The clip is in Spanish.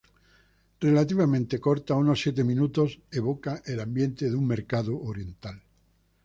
Relativamente corta, unos siete minutos, evoca el ambiente de un mercado oriental.